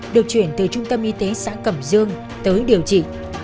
được chuyển từ trung tâm y tế xã cẩm dương tới điều trị